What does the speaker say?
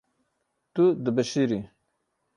Tu dibişirî.